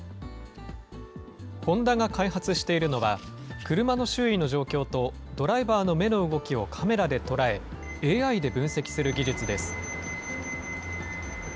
ホンダが開発しているのは、車の周囲の状況と、ドライバーの目の動きをカメラで捉え、ＡＩで分析する技術です。